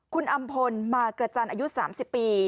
คุณอำพลมากระจันทร์อายุ๓๐ปี